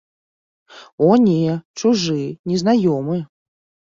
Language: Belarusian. О не, чужы, незнаёмы.